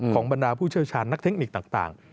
บรรดาผู้เชี่ยวชาญนักเทคนิคต่าง